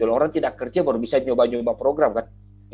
orang tidak kerja baru bisa nyoba nyoba program kan